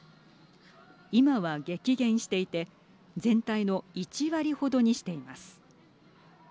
今は激減していて全体の１割程にしています。